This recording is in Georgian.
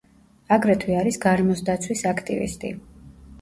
აგრეთვე არის გარემოს დაცვის აქტივისტი.